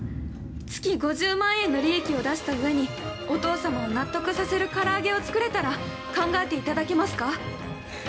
月５０万円の利益を出した上にお父様を納得させられるから揚げを考えていただけますか？